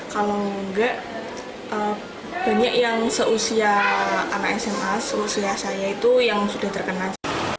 kalau enggak banyak yang seusia anak sma seusia saya itu yang sudah terkenal